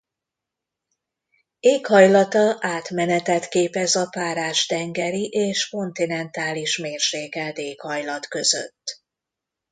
Éghajlata átmenetet képez a párás tengeri és kontinentális mérsékelt éghajlat között.